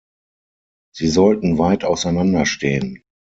Sie sollten weit auseinander stehen.